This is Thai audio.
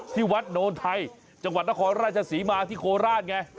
ที่วัดโนนไทยจังหวัดนครราชศรีมาที่โคราชไง